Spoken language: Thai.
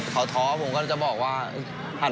มันต้องทร้อมหนักครับ